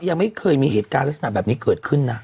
ยังไม่เคยมีเหตุการณ์ลักษณะแบบนี้เกิดขึ้นนะ